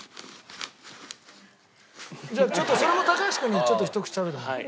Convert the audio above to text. じゃあそれも高橋君にちょっとひと口食べてもらおう。